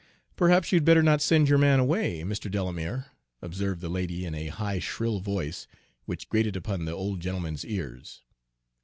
"Perhaps you'd better not send your man away, Mr. Delamere," observed the lady, in a high shrill voice, which grated upon the old gentleman's ears.